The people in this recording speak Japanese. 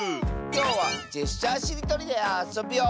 きょうは「ジェスチャーしりとり」であそぶよ！